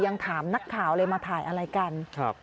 ยังถามนักข่าวเลยมาถ่ายอะไรกันครับ